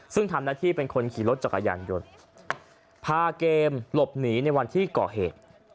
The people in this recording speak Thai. ซึ่งทำหน้าที่เป็นคนขี่รถจักรยานยนต์พาเกมหลบหนีในวันที่ก่อเหตุ